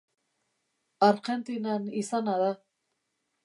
Argentinan izana da.